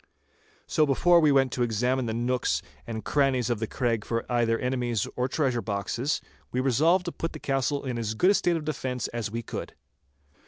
So before we went to examine the nooks and crannies of the Craig either for enemies or treasure boxes, we resolved to put the castle into as good a state of defence as we could.